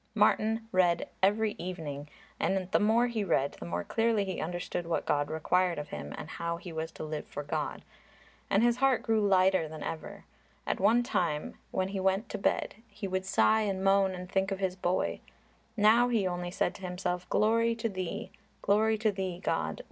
Martin read every evening, and the more he read the more clearly he understood what God required of him and how he was to live for God. And his heart grew lighter than ever. At one time when he went to bed he would sigh and moan and think of his boy; now he only said to himself, "Glory to Thee, glory to Thee, God!